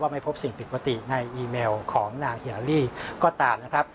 ไม่พบสิ่งผิดปกติในอีเมลของนางฮิลาลี่ก็ตามนะครับ